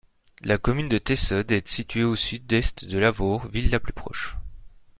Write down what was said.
La commune de Teyssode est située au sud-est de Lavaur, ville la plus proche.